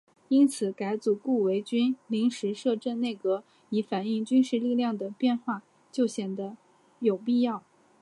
因此改组顾维钧临时摄政内阁以反映军事力量的变化就显得有必要。